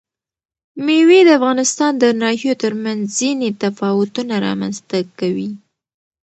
مېوې د افغانستان د ناحیو ترمنځ ځینې تفاوتونه رامنځ ته کوي.